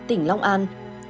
tỉnh long an